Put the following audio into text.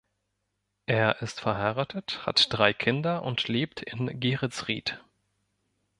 Er ist verheiratet, hat drei Kinder und lebt in Geretsried.